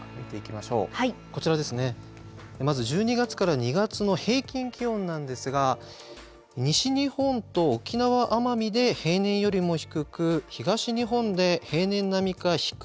まず１２月から２月の平均気温なんですが西日本と沖縄・奄美で平年よりも低く東日本で平年並みか低い予想となっています。